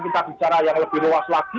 kita bicara yang lebih luas lagi